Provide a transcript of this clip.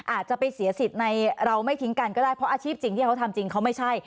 อาจจะไปเสียสิทธิ์ในเราไม่ทิ้งกันก็ได้เพราะอาชีพจริงที่เขาทำจริงเขาไม่ใช่